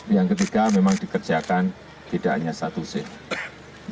yang ketiga memang dikerjakan tidak hanya satu shift